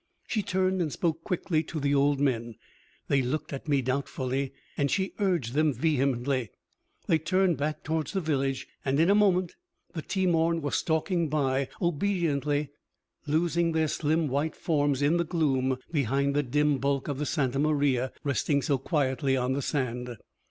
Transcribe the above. She turned and spoke quickly to the old men. They looked at me doubtfully, and she urged them vehemently. They turned back towards the village, and in a moment the Teemorn were stalking by obediently, losing their slim white forms in the gloom behind the dim bulk of the Santa Maria, resting so quietly on the sand.